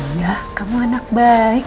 iya kamu anak baik